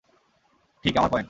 ঠিক আমার পয়েন্ট!